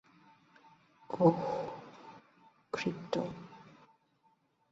ওহ, crypto.